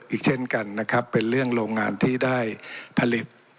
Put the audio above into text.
อีกเช่นกันนะครับเป็นเรื่องโรงงานที่ได้ผลิต